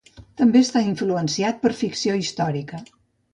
També està influenciat per ficció històrica.